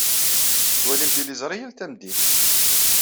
Tettwalim tiliẓri yal tameddit.